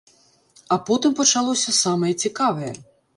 А потым пачалося самае цікавае.